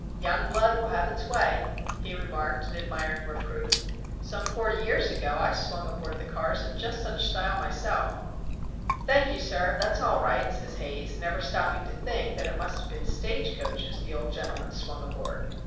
"Young blood will have its way," he remarked, in admiring reproof. "Some forty years ago I swung aboard the cars in just such style myself." "Thank you, sir. That's all right," says Haze, never stopping to think that it must have been stage coaches the old gentleman swung aboard.